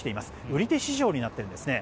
売り手市場になっているんですね。